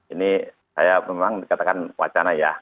ini saya memang dikatakan wacana ya